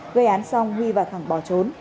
gây án xong huy và thẳng bỏ trốn